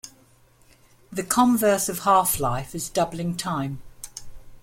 The converse of half-life is doubling time.